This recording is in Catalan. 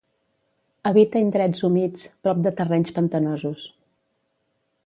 Habita indrets humits, prop de terrenys pantanosos.